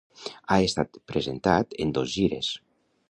Ha estat presentat en dos gires.